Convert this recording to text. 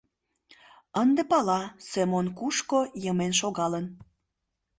Ынде пала, Семон кушко йымен шогалын.